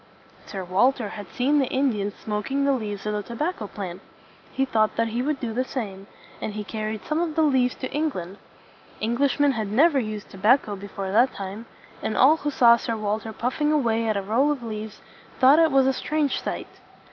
Sir Walter had seen the Indians smoking the leaves of the to bac co plant. He thought that he would do the same, and he carried some of the leaves to England. Englishmen had never used tobacco before that time; and all who saw Sir Walter puff ing away at a roll of leaves thought that it was a strange sight.